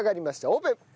オープン！